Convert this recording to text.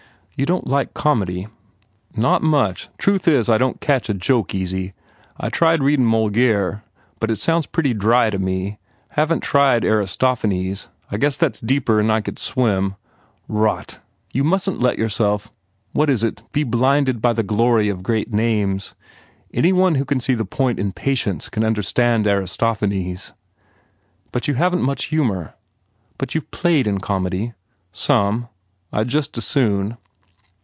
"You don t like comedy?" "Not much. Truth is, I don t catch a joke easy. I ve tried readin Moliere but it sounds pretty dry to me. Haven t tried Aristo phanes? I guess that s deeper n I could swim " "Rot! You mustn t let yourself what is it? be blinded by the glory of great names. Any one who can see the point in Patience can under stand Aristophanes. ... But you haven t much humour. But you ve played in comedy?" "Some. I d just as soon."